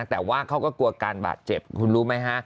แต่ว่าเขาก็กลัวการบาดเจ็บคุณรู้ไหมฮะ